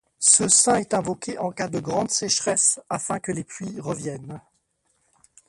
Ce saint est invoqué en cas de grandes sécheresses afin que les pluies reviennent.